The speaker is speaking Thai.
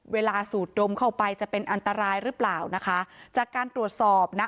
สูดดมเข้าไปจะเป็นอันตรายหรือเปล่านะคะจากการตรวจสอบนะ